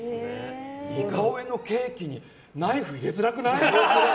似顔絵のケーキにナイフ入れづらくない？